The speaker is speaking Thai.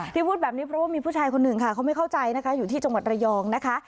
พูดแบบนี้เพราะว่ามีผู้ชายคนหนึ่งค่ะเขาไม่เข้าใจนะคะอยู่ที่จังหวัดระยองนะคะ